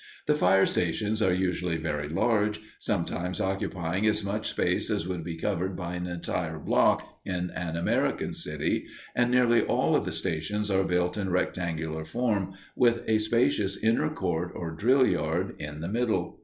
The fire stations are usually very large, sometimes occupying as much space as would be covered by an entire block in an American city, and nearly all of the stations are built in rectangular form, with a spacious inner court, or drill yard, in the middle.